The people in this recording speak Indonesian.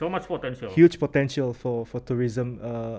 banyak potensi untuk turisme